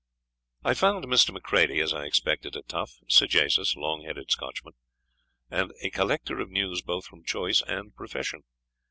I found Mr. Macready, as I expected, a tough, sagacious, long headed Scotchman, and a collector of news both from choice and profession.